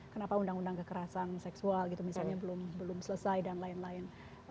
kenapa undang undang kekerasan seksual gitu misalnya belum selesai dan lain lain